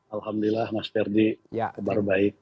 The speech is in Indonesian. alhamdulillah mas ferdi kabar baik